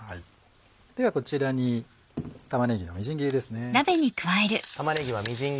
ではこちらに玉ねぎのみじん切りです。